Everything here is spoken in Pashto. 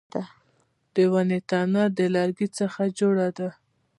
د ونې تنه د لرګي څخه جوړه ده